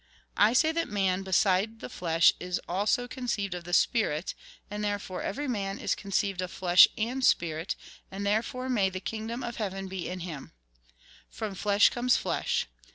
I say that man, beside the flesh, is also con ceived of the spirit, and therefore every man is Lk. Jn. THE SOURCE OF LIFE 43 Jn. iii. 6. 13. 17. conceived of flesh and spirit, and therefore may the kingdom of heaven be in him. From flesh comes flesh.